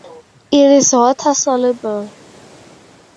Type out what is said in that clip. It is water-soluble.